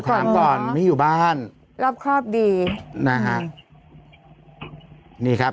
ขวางก่อนไม่อยู่บ้านรอบครอบดีนะฮะนี่ครับ